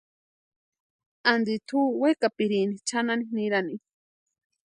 Anti tʼu wekapirini chʼanani nirani.